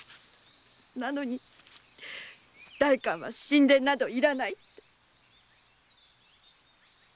なのに代官は新田などいらないって。